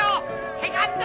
セカンド！